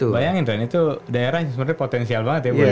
bayangin itu daerahnya sebenarnya potensial banget ya